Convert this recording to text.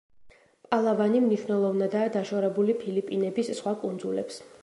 პალავანი მნიშვნელოვნადაა დაშორებული ფილიპინების სხვა კუნძულებს.